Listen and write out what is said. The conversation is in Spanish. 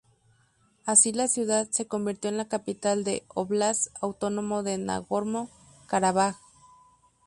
Así, la ciudad se convirtió en la capital del Óblast Autónomo de Nagorno Karabaj.